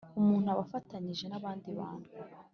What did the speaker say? umuntu aba afatanyije n’abandi bantu,